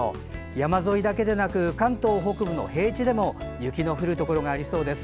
山沿いだけでなく関東北部の平地でも雪の降るところがありそうです。